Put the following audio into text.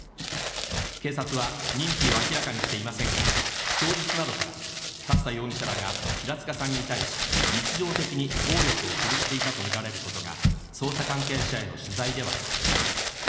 警察は認否を明らかにしていませんが供述などから勝田容疑者らが平塚さんに対し日常的に暴力を振るっていたとみられることが捜査関係者への取材で分かりました。